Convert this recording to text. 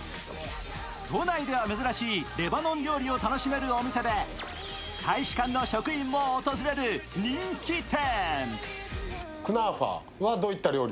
都内では珍しいレバノン料理を楽しめるお店で大使館の職員も訪れる人気店。